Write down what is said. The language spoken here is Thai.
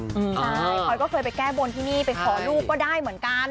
ใช่พลอยก็เคยไปแก้บนที่นี่ไปขอลูกก็ได้เหมือนกัน